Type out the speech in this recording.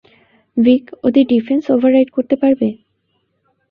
ভিক, ওদের defence override করতে পারবে?